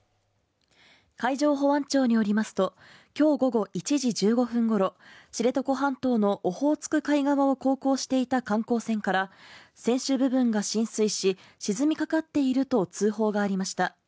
海上保安庁によりますと、今日午後１時１５分ごろ知床半島のオホーツク海側を航行していた観光船から船首部分が浸水し、沈みかかっていると通報がありました。